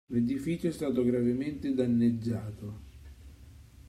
L'edificio è stato gravemente danneggiato.